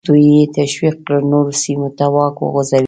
دوی یې تشویق کړل نورو سیمو ته واک وغځوي.